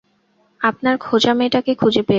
আপনার খোঁজা মেয়েটাকে খুঁজে পেয়েছি।